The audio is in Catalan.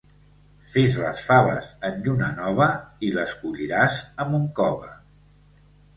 Fes les faves en lluna nova i les colliràs amb un cove.